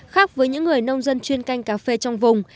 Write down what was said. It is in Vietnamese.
khác với những người nông dân chuyên canh cà phê trong vùng